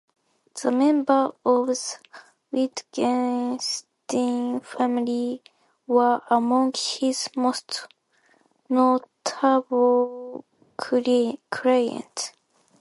The members of the Wittgenstein family were among his most notable clients.